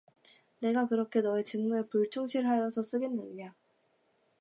네가 그렇게 너의 직무에 불충실하여서야 쓰겠느냐?